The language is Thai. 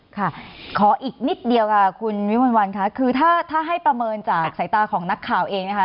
ค่ะขออีกนิดเดียวค่ะคุณวิมวลวันค่ะคือถ้าให้ประเมินจากสายตาของนักข่าวเองนะคะ